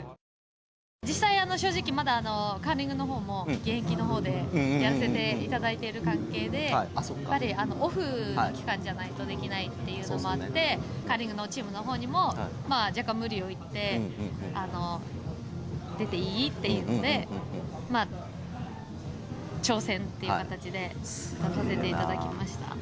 実際、正直まだ、カーリングのほうも現役のほうでやらせていただいている関係で、やっぱりオフの期間じゃないとできないっていうのもあって、カーリングのチームのほうにも、若干無理を言って、出ていい？っていうので、まあ、挑戦という形で出させていただきました。